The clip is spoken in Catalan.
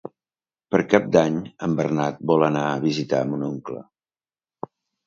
Per Cap d'Any en Bernat vol anar a visitar mon oncle.